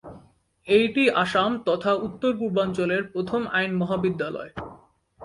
এইটি আসাম তথা উত্তর-পূর্বাঞ্চলের প্রথম আইন মহাবিদ্যালয়।